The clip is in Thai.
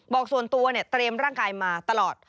บอกส่วนตัวเตรียมร่างกายมาตลอด